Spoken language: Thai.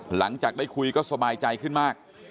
หลังจากได้คุยก็สบายใจขึ้นมาก